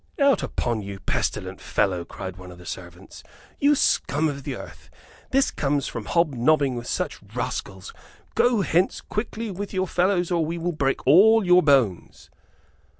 "Out upon you, pestilent fellow!" cried one of the servants. "You scum of the earth! This comes of hobnobbing with such rascals. Go hence quickly, with your fellows, or we will break all your bones."